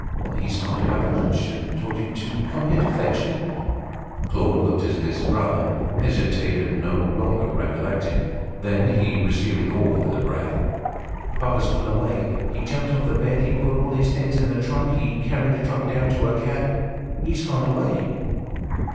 "He's gone to buy the lunch, and told you to come here to fetch me?" Claude looked at his brother, hesitated, no longer recollecting. Then he resumed all in a breath: "Papa's gone away. He jumped off the bed, he put all the things in the trunk, he carried the trunk down to a cab. He's gone away."